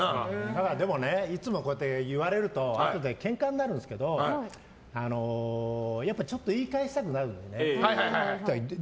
でもね、こうやって言われるとあとでケンカになるんですけどちょっと言い返したくなるっていうかね。